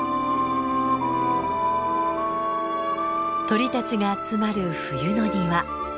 鳥たちが集まる冬の庭。